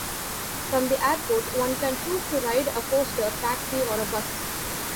From the airport one can choose to ride a coaster, taxi or a bus.